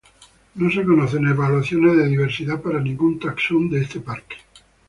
No se conocen evaluaciones de diversidad para ningún taxón de este parque.